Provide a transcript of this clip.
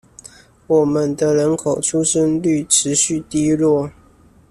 我們的人口出生率持續低落